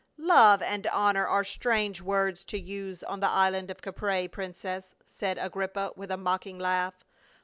" Love and honor are strange words to use on the island of Caprae, princess," said Agrippa, with a mocking laugh.